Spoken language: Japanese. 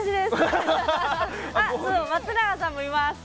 松永さんもいます！